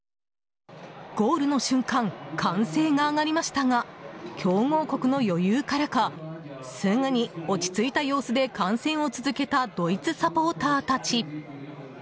ゴールの瞬間歓声が上がりましたが強豪国の余裕からかすぐに落ち着いた様子で観戦を続けたドイツサポーターたち。